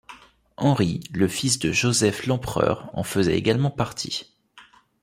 Henri, le fils de Joseph Lempereur, en faisait également partie.